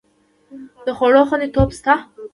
د خوړو خوندیتوب شته؟